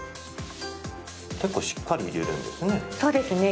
結構しっかり入れるんですね。